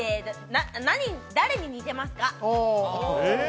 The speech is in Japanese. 誰に似てますか？